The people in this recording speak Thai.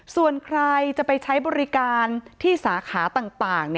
ส่วนใครจะไปใช้บริการที่สาขาต่าง